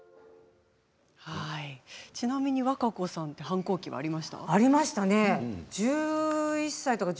ちなみに和歌子さんは反抗期はありましたか。